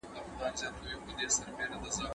انسان ته بايد د حيوان په سترګه ونه کتل سي.